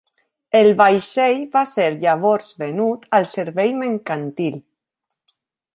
El vaixell va ser llavors venut al servei mercantil.